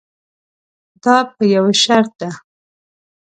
دا په یوه شرط ده.